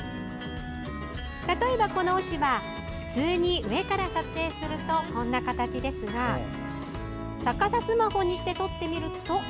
例えば、この落ち葉普通に上から撮影するとこんな形ですが逆さスマホにして撮ってみると。